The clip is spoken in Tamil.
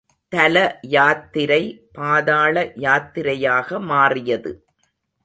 தலயாத்திரை பாதள யாத்திரையாக மாறியது.